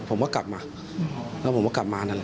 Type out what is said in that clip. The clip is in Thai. ผมก็กลับมาแล้วผมก็กลับมานั่นแหละ